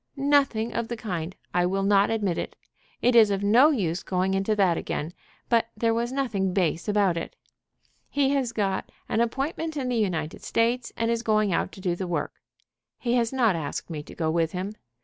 "Nothing of the kind! I will not admit it. It is of no use going into that again, but there was nothing base about it. He has got an appointment in the United States, and is going out to do the work. He has not asked me to go with him.